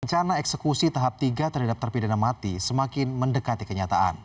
rencana eksekusi tahap tiga terhadap terpidana mati semakin mendekati kenyataan